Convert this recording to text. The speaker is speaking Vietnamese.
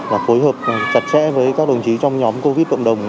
và phối hợp chặt chẽ với các đồng chí trong nhóm covid cộng đồng